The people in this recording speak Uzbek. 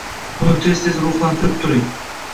Uni tez-tez ruhlantirib turing.